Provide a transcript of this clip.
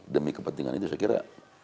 demi kepentingan itu saya kira